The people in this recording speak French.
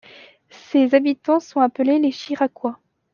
Ses habitants sont appelés les Chiracois.